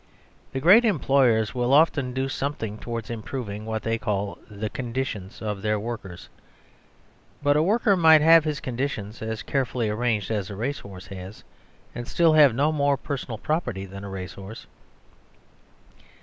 The great employers will often do something towards improving what they call the "conditions" of their workers; but a worker might have his conditions as carefully arranged as a racehorse has, and still have no more personal property than a racehorse.